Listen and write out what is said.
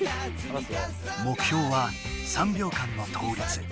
目標は３秒間の倒立。